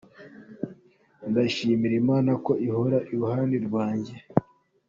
Ndashimira Imana ko ihora iruhande rwanjye”.